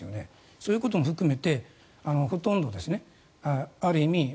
そういうことも含めてある意味